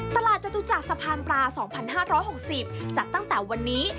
จตุจักรสะพานปลา๒๕๖๐จัดตั้งแต่วันนี้